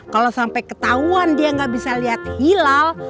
kalau sampai ketahuan dia nggak bisa lihat hilal